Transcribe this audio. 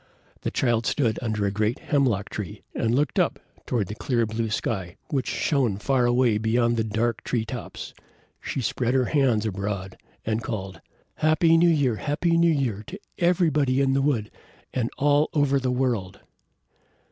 The child stood under a great hemlock tree, and looked up toward the clear blue sky, which shone far away beyond the dark tree tops. She spread her hands abroad and called, "Happy New Year! Happy New Year to everybody in the wood, and all over the world!"